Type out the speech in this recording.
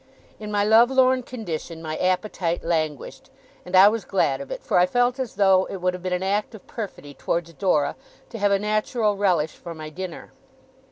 In my love lorn condition, my appetite languished; and I was glad of it, for I felt as though it would have been an act of perfidy towards Dora to have a natural relish for my dinner.